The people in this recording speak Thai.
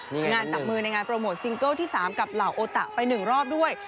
งานจับมือในงานโปรโมทซิงเกิลที่๓กับเหล่าโอตะไป๑รอบด้วย